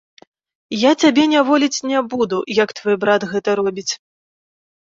Я цябе няволіць не буду, як твой брат гэта робіць.